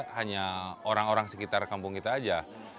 kita hanya orang orang sekitar kampung kita saja